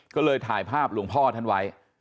ก็เลยถ่ายภาพหลวงพ่อท่านไว้